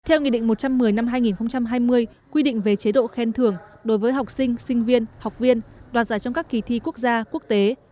theo nghị định một trăm một mươi năm hai nghìn hai mươi quy định về chế độ khen thưởng đối với học sinh sinh viên học viên đoạt giải trong các kỳ thi quốc gia quốc tế